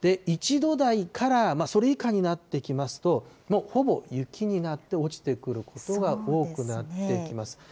１度台からそれ以下になってきますと、もうほぼ雪になって落ちてくることが多くなってきます。